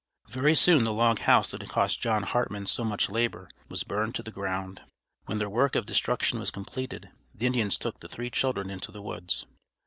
Very soon the log house that had cost John Hartman so much labor was burned to the ground. When their work of destruction was completed the Indians took the three children into the woods.